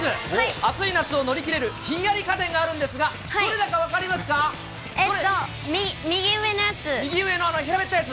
暑い夏を乗り切れるひんやり家電があるんですが、どれだか分かりえっと、右上のやつ。